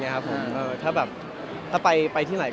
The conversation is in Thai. จะเอาขนาดบินแบบเขานิดหนึ่ง